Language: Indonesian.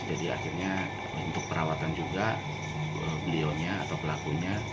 jadi akhirnya untuk perawatan juga belionya atau pelakunya